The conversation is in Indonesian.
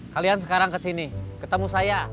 kalian sekarang ke sini ketemu saya